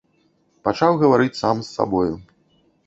Пачаў гаварыць сам з сабою.